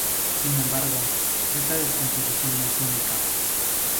Sin embargo, esta descomposición no es única.